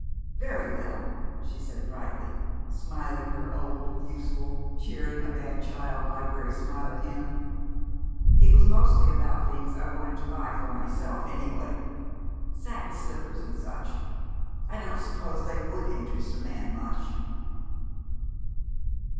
"Very well," she said brightly, smiling her old, useful, cheering a bad child library smile at him. "It was mostly about things I wanted to buy for myself, any way satin slippers and such. I don't suppose they would interest a man much."